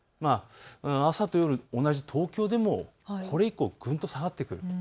朝と夜、同じ東京でもこれ以降、ぐんと下がってくる。